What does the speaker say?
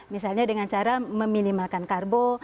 misalnya dengan cara meminimalkan karbo